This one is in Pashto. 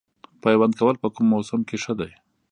پیوند کول په کوم موسم کې ښه دي؟